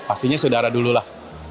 pastinya saudara dulu lah